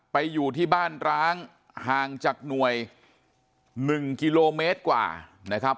ไปอยู่ที่บ้านร้างห่างจากหน่วย๑กิโลเมตรกว่านะครับ